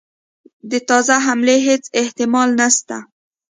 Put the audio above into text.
د تازه حملې هیڅ احتمال نسته.